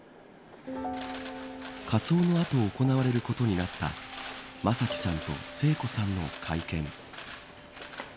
火葬のあと行われることになった正輝さんと聖子さんの会見。